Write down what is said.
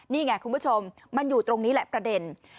นี่ไงคุณผู้ชมมันอยู่ตรงนี้แหละประเด็น